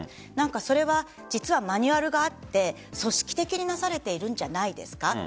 それは実はマニュアルがあって組織的になされているんじゃないですか。